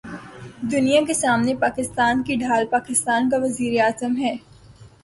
دنیا کے سامنے پاکستان کی ڈھال پاکستان کا وزیراعظم ہے۔